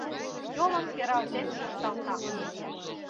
Йолым пералтен кушталта